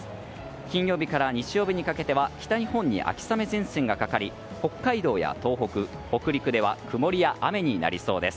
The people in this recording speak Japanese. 金曜日から日曜日にかけては北日本に秋雨前線がかかり北海道や東北、北陸では曇りや雨になりそうです。